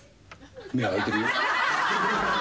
目開いてるよ。